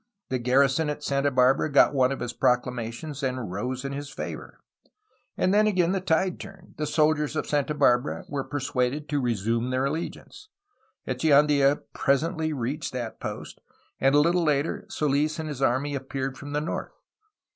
The garrison at Santa Barbara got one of his proclamations, and rose in his favor. And then again the tide turned. The soldiers of Santa Barbara were persuaded to resume their allegiance. Echeandla pres e,ntly reached that post, and a little later Soils and his army appeared from the north.